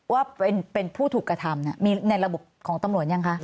ว่าเป็นผู้ถูกกระทำมีในระบบของตำรวจยังคะ